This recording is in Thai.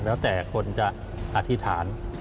แล้วแต่คนจะอธิษฐาน